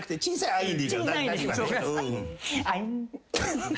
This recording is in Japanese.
アイン。